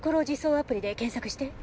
アプリで検索してみて。